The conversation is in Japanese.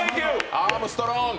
アームストロング！